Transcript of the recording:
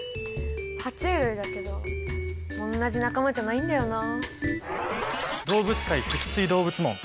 は虫類だけどおんなじ仲間じゃないんだよな。